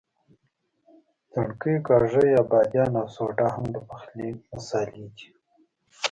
ځڼکۍ، کاږه یا بادیان او سوډا هم د پخلي مسالې دي.